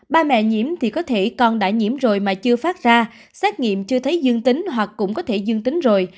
ba mẹ nhiễm thì có thể con đã nhiễm rồi mà chưa phát ra xét nghiệm chưa thấy dương tính hoặc cũng có thể dương tính rồi